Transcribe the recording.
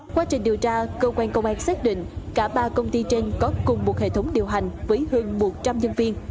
quá trình điều tra cơ quan công an xác định cả ba công ty trên có cùng một hệ thống điều hành với hơn một trăm linh nhân viên